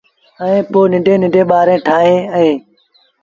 ائيٚݩ پو ننڊيٚن ننڍيٚݩ ٻآريٚݩ ٺآئيٚبيٚن اهيݩ